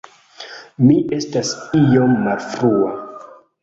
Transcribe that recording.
Mi estas iom malfrua